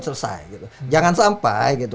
selesai jangan sampai